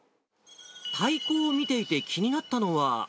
太鼓を見ていて、気になったのが。